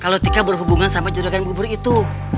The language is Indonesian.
kalau tika berhubungan sama jerukan bubur itu